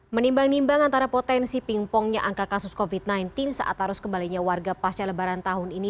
menimbang nimbang antara potensi pingpongnya angka kasus covid sembilan belas saat harus kembalinya warga pasca lebaran tahun ini